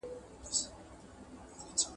پروفیسر ټوی وویل، ځینې وینې کمیابه دي.